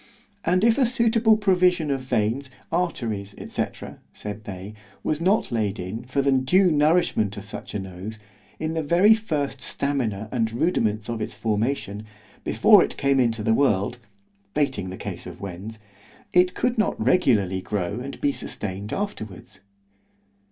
And if a suitable provision of veins, arteries, &c. said they, was not laid in, for the due nourishment of such a nose, in the very first stamina and rudiments of its formation, before it came into the world (bating the case of Wens) it could not regularly grow and be sustained afterwards.